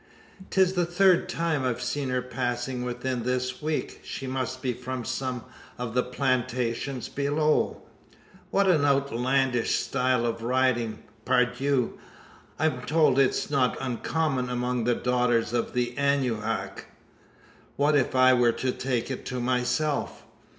'Tis the third time I've seen her passing within this week? She must be from some of the plantations below!" What an outlandish style of riding! Par Dieu! I'm told it's not uncommon among the daughters of Anahuac. What if I were to take to it myself?